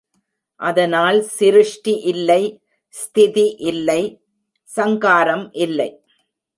அதனால் சிருஷ்டி இல்லை ஸ்திதி இல்லை சங்காரம் இல்லை.